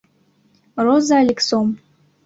Роза ЛИКСОМ